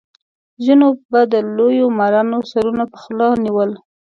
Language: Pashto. ځینو به د لویو مارانو سرونه په خوله نیول.